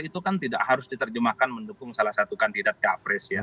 itu kan tidak harus diterjemahkan mendukung salah satu kandidat capres ya